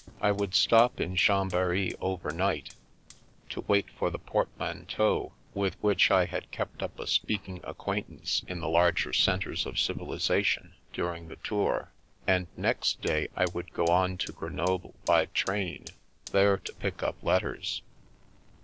I would stop in Chambery overnight, to wait for the portmanteau with which I had kept up a speaking acquaintance in the larger centres of civilisation, during the tour, and next day I would go on to Grenoble by train, there to pick up letters.